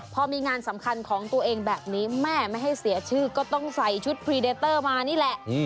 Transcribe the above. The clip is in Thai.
พอมีงานสำคัญของตัวเองแบบนี้แม่ไม่ให้เสียชื่อก็ต้องใส่ชุดพรีเดเตอร์มานี่แหละ